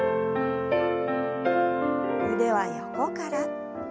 腕は横から。